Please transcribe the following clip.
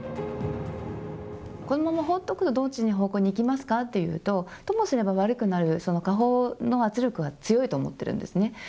このまま放っておくとどうなりますかというと、ともすれば悪くなるその下方の圧力が強いと思っているんですね。